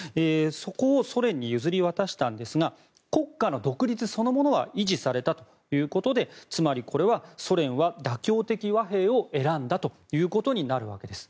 そこをソ連に譲り渡したんですが国家の独立そのものは維持されたということでつまり、ソ連は妥協的和平を選んだということになるわけです。